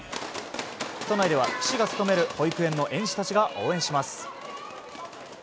都内では岸が勤める保育園の園児たちが応援します。